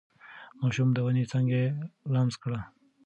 ماشوم د ونې څانګه لمس کړه.